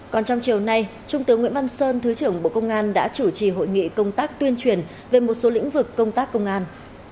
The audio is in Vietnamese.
còn trong chiều nay trung tướng nguyễn văn sơn thứ trưởng bộ công an đã chủ trì hội nghị công tác tuyên truyền về một số lĩnh vực công tác công an